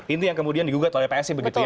itu yang kemudian digugat oleh psi begitu ya